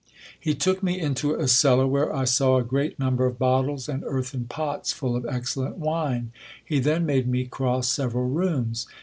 He took me into a cellar, where I saw a great number of bottles and earthen pots full of excellent wine. He then made me cross several rooms.